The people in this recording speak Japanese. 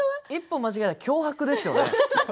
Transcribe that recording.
一歩間違えると脅迫ですよね。